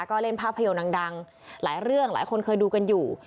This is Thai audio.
ก็เล่นภาพยนตร์ดังหลายเรื่องหลายคนเคยดูกันอยู่